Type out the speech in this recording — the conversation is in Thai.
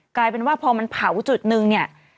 กลายเป็นว่าพอมันเผาจุดนึงเนี่ย